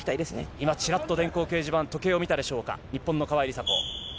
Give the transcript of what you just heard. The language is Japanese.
今、ちらっと時計を見たでしょうか、日本の川井梨紗子。